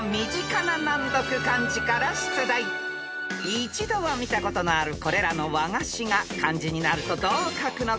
［一度は見たことのあるこれらの和菓子が漢字になるとどう書くのか？］